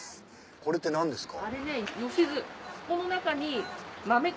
これって何ですか？